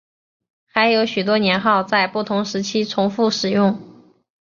还有许多年号在不同时期重复使用。